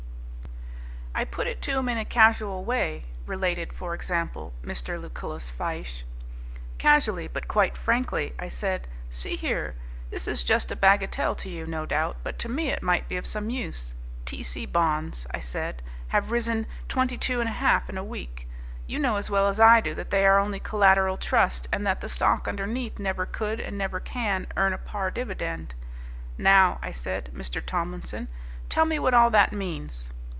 "I put it to him in a casual way," related, for example, Mr. Lucullus Fyshe, "casually, but quite frankly. I said, 'See here, this is just a bagatelle to you, no doubt, but to me it might be of some use. T. C. bonds,' I said, 'have risen twenty two and a half in a week. You know as well as I do that they are only collateral trust, and that the stock underneath never could and never can earn a par dividend. Now,' I said, 'Mr. Tomlinson, tell me what all that means?'